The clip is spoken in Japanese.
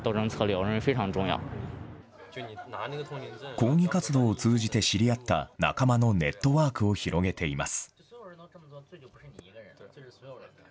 抗議活動を通じて知り合った仲間のネットワークを広げています。